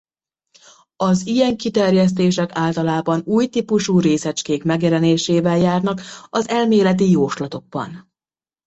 Az ilyen kiterjesztések általában új típusú részecskék megjelenésével járnak az elméleti jóslatokban.